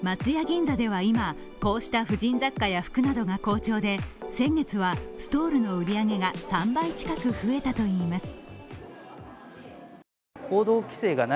銀座では今、こうした婦人雑貨や服などが好調で先月はストールの売り上げが３倍近く増えたといいます。